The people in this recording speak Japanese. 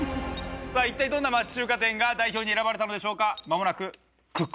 さあ一体どんな町中華店が代表に選ばれたのでしょうか？